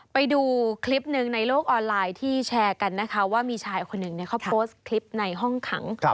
ไปดูคลิปหนึ่งในโลกออนไลน์ที่แชร์กันนะคะว่ามีชายคนหนึ่งเขาโพสต์คลิปในห้องขัง